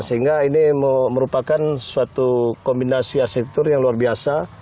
sehingga ini merupakan suatu kombinasi arsitektur yang luar biasa